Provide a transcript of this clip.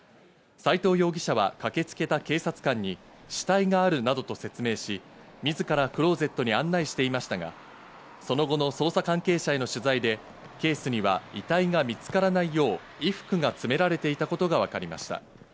斎藤容疑者は駆けつけた警察官に死体があるなどと説明し、自らクロゼットに案内していましたが、その後の捜査関係者への取材で、ケースには遺体が見つからないよう衣服が詰められていたことがわかりました。